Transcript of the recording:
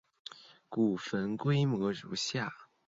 古坟规模如下。